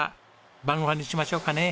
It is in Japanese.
晩ご飯にしましょうかね。